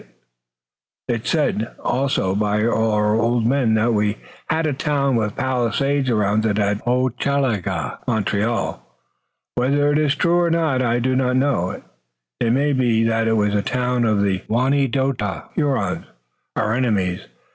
It is said also by our old men that we had a town with palisades around it at Hochelaga (Montreal), but whether it is true or not I do not know. It may be that it was a town of the Wanedote (Hurons), our enemies.